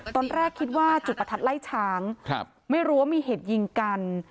ตอนแรกคิดว่าจุดประทัดไล่ช้างไม่รู้ว่ามีเหตุยิงกัน